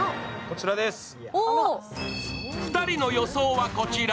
２人の予想はこちら。